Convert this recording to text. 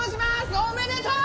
おめでとう！